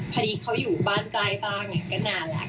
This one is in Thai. พอดีเขาอยู่บ้านใกล้บ้านก็นานแล้ว